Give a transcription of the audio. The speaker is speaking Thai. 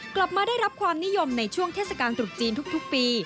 กลับมาได้รับความนิยมในช่วงเทศกาลตรุษจีนทุกปี